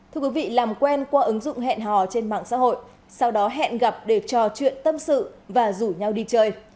thưa quý vị làm quen qua ứng dụng hẹn hò trên mạng xã hội sau đó hẹn gặp để trò chuyện tâm sự và rủ nhau đi chơi